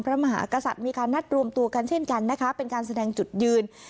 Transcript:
พระมหากษัตริย์มีการนัดรวมตัวกันเช่นกันนะคะเป็นการแสดงจุดยืน